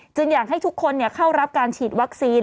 จึงอยากให้ทุกคนเนี่ยเข้ารับการฉีดวัคซีน